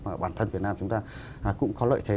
và bản thân việt nam chúng ta cũng có lợi thế